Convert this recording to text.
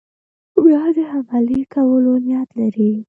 بیا د حملې کولو نیت لري.